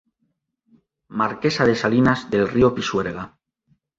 Marquesa de Salinas del Río Pisuerga.